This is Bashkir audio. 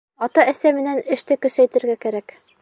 Ата-әсә менән эште көсәйтергә кәрәк.